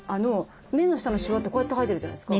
目の下のしわってこうやって入ってるじゃないですか。